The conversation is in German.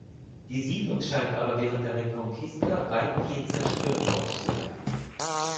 Die Siedlung scheint aber während der Reconquista weitgehend zerstört worden zu sein.